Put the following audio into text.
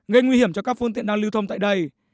gây nguy hiểm cho các phương tiện đang lưu thông tại đây